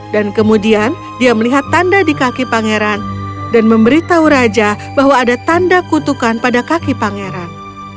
dan kemudian dia melihat tanda di kaki pangeran dan memberitahu raja bahwa ada tanda kutukan pada kaki pangeran